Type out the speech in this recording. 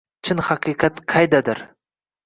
Chin haqiqat qaydadir.